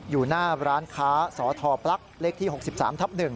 อยู่หน้าร้านค้าสทปลั๊กเลขที่๖๓ทับ๑